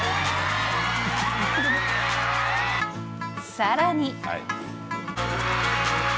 さらに。